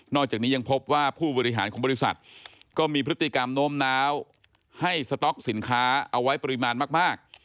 จากนี้ยังพบว่าผู้บริหารของบริษัทก็มีพฤติกรรมโน้มน้าวให้สต๊อกสินค้าเอาไว้ปริมาณมาก